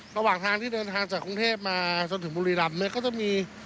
ระหว่างทางที่เดินทางจากกรุงเทพมาจนถึงบุรีรำเนี่ยก็จะมี